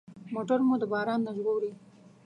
موټر مو د باران نه ژغوري.